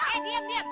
eh diam diam